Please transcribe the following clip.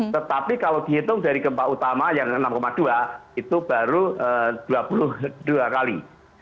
tetapi kalau dihitung dari gempa utama yang enam dua itu baru dua puluh dua kali